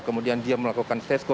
kemudian dia melakukan sesko